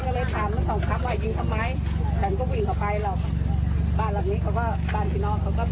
กับก็เลยถามแล้วสองครับว่ายืนทำไมแบ่งก็วิ่งเข้าไปแล้วบ้านแบบนี้เขาว่าบ้านพินองค